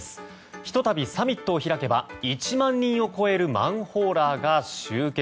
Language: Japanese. ひとたびサミットを開けば１万人を超えるマンホーラーが集結。